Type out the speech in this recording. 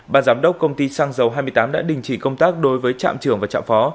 bà giám đốc công ty xăng dầu hai mươi tám đã đình chỉ công tác đối với trạm trưởng và trạm phó